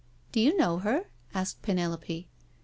"Do you know her?" asked Penelope.